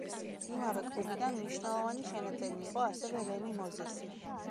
იმავე კლუბიდან მნიშვნელოვანი შენაძენი იყო ასევე რემი მოზესი.